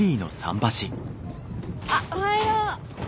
あっおはよう。